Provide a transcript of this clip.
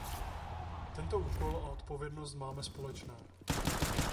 Tento úkol a odpovědnost máme společné.